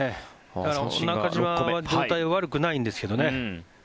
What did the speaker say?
だから、中島は状態悪くないんですけどね。